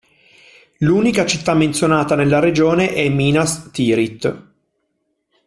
L'unica città menzionata nella regione è Minas Tirith.